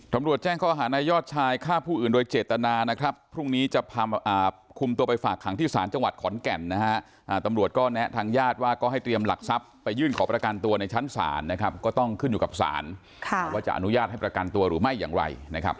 แจ้งข้อหานายยอดชายฆ่าผู้อื่นโดยเจตนานะครับพรุ่งนี้จะพาคุมตัวไปฝากขังที่ศาลจังหวัดขอนแก่นนะฮะตำรวจก็แนะทางญาติว่าก็ให้เตรียมหลักทรัพย์ไปยื่นขอประกันตัวในชั้นศาลนะครับก็ต้องขึ้นอยู่กับศาลว่าจะอนุญาตให้ประกันตัวหรือไม่อย่างไรนะครับ